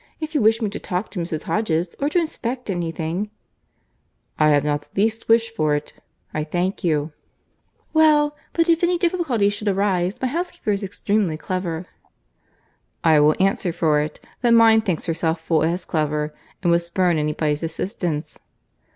If you wish me to talk to Mrs. Hodges, or to inspect anything—" "I have not the least wish for it, I thank you." "Well—but if any difficulties should arise, my housekeeper is extremely clever." "I will answer for it, that mine thinks herself full as clever, and would spurn any body's assistance."